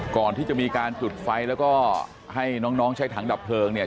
ก่อนที่จะมีการจุดไฟแล้วก็ให้น้องใช้ถังดับเพลิงเนี่ย